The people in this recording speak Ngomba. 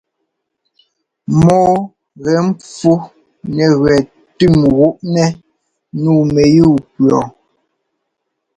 Mɔ́ɔ gɛ pfú nɛgẅɛɛ tʉ́m gúꞌnɛ́ nǔu mɛyúu-pʉɔ.